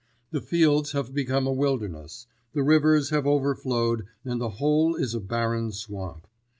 The fields have become a wilderness, the rivers have overflowed and the whole is a barren swamp.